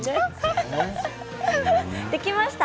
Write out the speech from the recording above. できましたか？